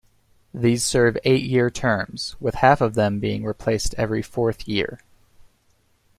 These serve eight-year terms, with half of them being replaced every fourth year.